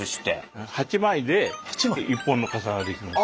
８枚で１本の傘が出来ます。